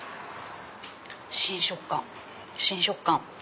新食感新食感！